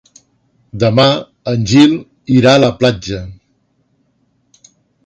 Demà en Gil irà a la platja.